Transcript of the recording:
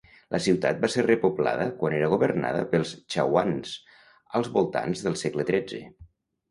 La ciutat va ser repoblada quan era governada pels Chauhans, als voltants del segle XIII.